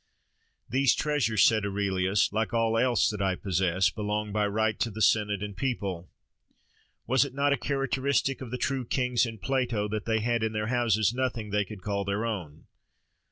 "These treasures," said Aurelius, "like all else that I possess, belong by right to the Senate and People." Was it not a characteristic of the true kings in Plato that they had in their houses nothing they could call their own?